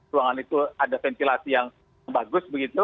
ruangan itu ada ventilasi yang bagus begitu